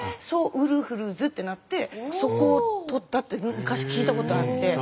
「ソウルフルズ」ってなってそこを取ったって昔聞いたことあって。